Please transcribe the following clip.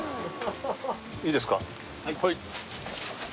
いいですか？